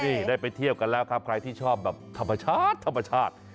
นี่ได้ไปเที่ยวกันแล้วครับใครที่ชอบแบบธรรมชาติธรรมชาติ